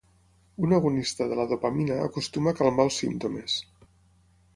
Un agonista de la dopamina acostuma a calmar els símptomes.